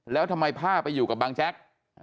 แล้วทำไมผ้าไปอยู่กับบังแจ๊ก